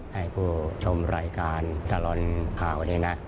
ให้ผู้ชมรายการสรรค์ข้าวนี้นะ